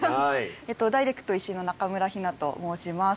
ダイレクトイシイの中村陽菜と申します。